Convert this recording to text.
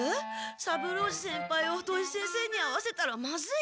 三郎次先輩を土井先生に会わせたらまずい！